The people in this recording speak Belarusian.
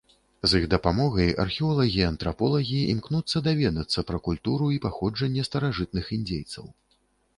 З іх дапамогай археолагі і антраполагі імкнуцца даведацца пра культуру і паходжанне старажытных індзейцаў.